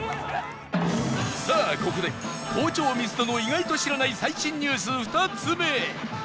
さあここで好調ミスドの意外と知らない最新ニュース２つ目